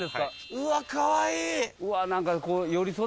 うわかわいい！